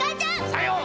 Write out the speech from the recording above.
さよう！